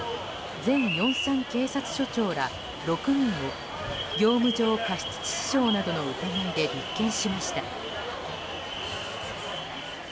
前ヨンサン警察署長ら６人を業務上過失致死傷などの疑いで立件しました。